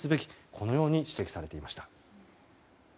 このように指摘されていました。